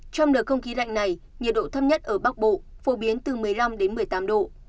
trong đợt không khí lạnh này nhiệt độ thấp nhất ở bắc bộ phổ biến từ một mươi năm đến một mươi tám độ